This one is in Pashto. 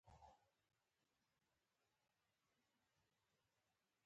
موږ باید د هېواد یووالي ته پام وکړو